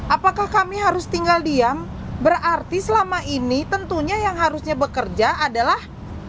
apakah kami harus tinggal diam berarti selama ini tentunya yang harusnya bekerja adalah